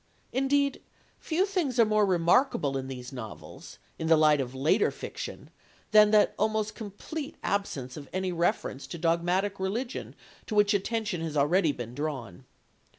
Indeed, few things are more remarkable in these novels, in the light of later fiction, than that almost complete absence of any reference to dogmatic religion to which attention has already been drawn.